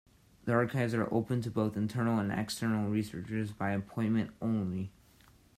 The Archives are open to both internal and external researchers by appointment only.